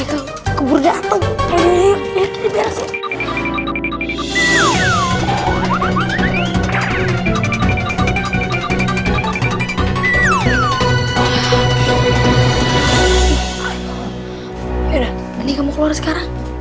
udah mending kamu keluar sekarang